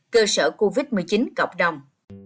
cơ sở covid một mươi chín cộng đồng